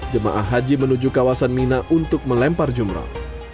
jemaah haji menuju kawasan mina untuk melempar jumroh